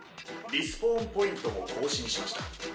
リスポーンポイントを更新しました。